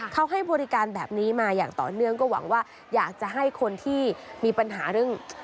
เขาให้บริการแบบนี้มาอย่างต่อเนื่องก็หวังว่าอยากจะให้คนที่มีปัญหาเรื่อง